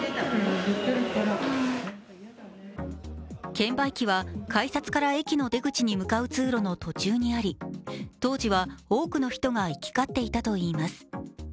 券売機は改札から駅の出口に向かう通路の途中にあり当時は、多くの人が行き交っていたといいます。